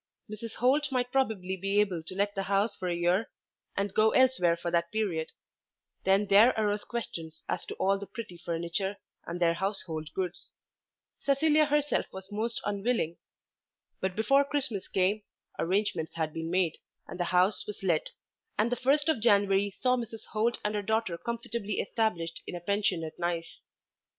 Mrs. Holt might probably be able to let the house for a year and go elsewhere for that period. Then there arose questions as to all the pretty furniture, and their household goods. Cecilia herself was most unwilling. But before Christmas came, arrangements had been made, and the house was let, and the first of January saw Mrs. Holt and her daughter comfortably established in a pension at Nice.